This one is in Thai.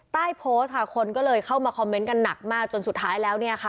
ใต้โพสต์ค่ะคนก็เลยเข้ามาคอมเมนต์กันหนักมากจนสุดท้ายแล้วเนี่ยค่ะ